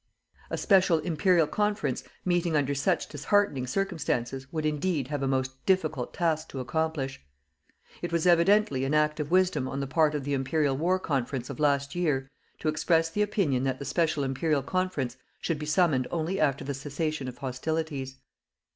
A special Imperial Conference meeting under such disheartening circumstances would indeed have a most difficult task to accomplish. It was evidently an act of wisdom on the part of the Imperial War Conference of last year to express the opinion that the special Imperial Conference should be summoned only after the cessation of hostilities.